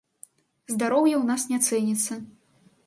Здароўе у нас не цэніцца!